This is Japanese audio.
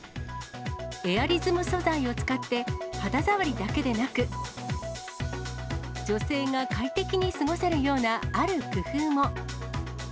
エアリズム素材を使って、肌触りだけでなく、女性が快適に過ごせるような、ある工夫も。